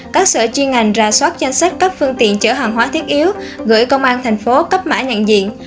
các sở chiên ngành ra soát danh sách các phương tiện chở hàng hóa thiết yếu gửi công an thành phố cấp mã nhận diện